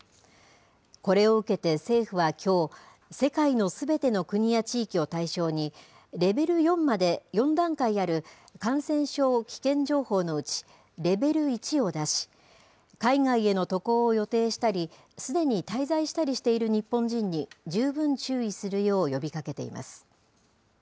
これを受けて政府はきょう、世界のすべての国や地域を対象に、レベル４まで４段階ある感染症危険情報のうちレベル１を出し、海外への渡航を予定したり、すでに滞在したりしている日本人に十分注意するよう呼びかけています。